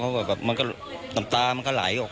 ที่แบบน้ำมากลอง